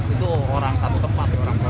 itu orang satu tempat